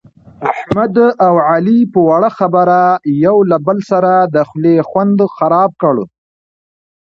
احمد اوعلي په وړه خبره یو له بل سره د خولې خوند خراب کړ.